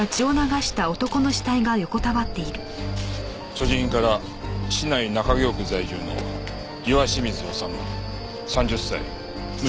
所持品から市内中京区在住の岩清水修３０歳無職だ。